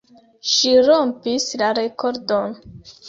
Ŝi rompis la rekordon.